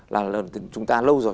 là lần chúng ta lâu rồi